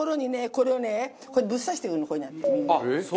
これをねぶっ刺していくのこういう風にやって。